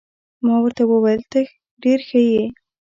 ما ورته وویل: ته ډېر ښه يې.